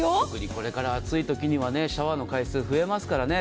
これから暑い時期にはシャワーの回数が増えますからね。